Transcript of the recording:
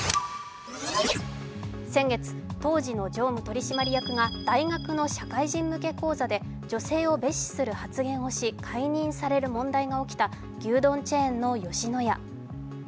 先月、当時の常務取締役が大学の社会人向け講座で女性を蔑視する発言をし、解任される問題が起きた牛丼チェーンの吉野家。